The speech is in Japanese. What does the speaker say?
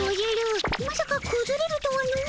まさかくずれるとはの。